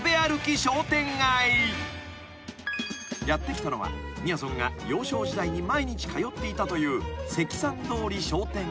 ［やって来たのはみやぞんが幼少時代に毎日通っていたという］